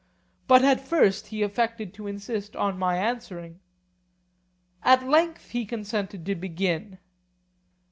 But at first he affected to insist on my answering; at length he consented to begin.